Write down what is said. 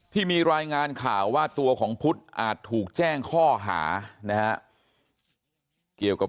ที่มีรายงานข่าวว่าตัวของพุทธอาจถูกแจ้งข้อหานะฮะเกี่ยวกับ